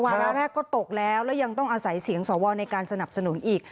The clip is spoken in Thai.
วาระแรกก็ตกแล้วแล้วยังต้องอาศัยเสียงสวในการสนับสนุนอีก